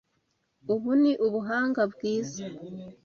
Ubu ni ubuhanga bwiza.